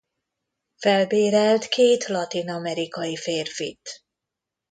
Felbérelt két latin-amerikai férfit.